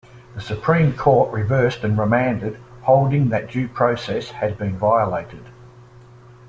The Supreme Court reversed and remanded, holding that due process had been violated.